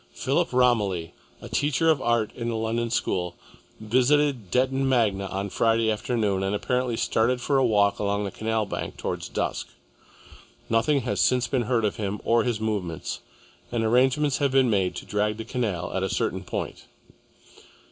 Philip Romilly, a teacher of art in a London school, visited Detton Magna on Friday afternoon and apparently started for a walk along the canal bank, towards dusk. Nothing has since been heard of him or his movements, and arrangements have been made to drag the canal at a certain point.